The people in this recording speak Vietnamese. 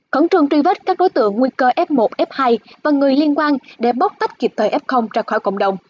khẩn trương truy vết các đối tượng nguy cơ f một f hai và người liên quan để bóc tách kịp thời f ra khỏi cộng đồng